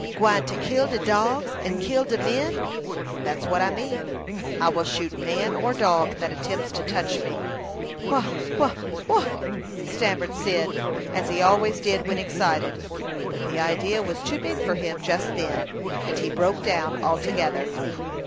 "Gwine to kill de dogs and kill de men?" "That's what I mean. I will shoot man or dog that attempts to touch me." "Wha wha wha " stammered Cyd, as he always did when excited; but the idea was too big for him just then, and he broke down altogether.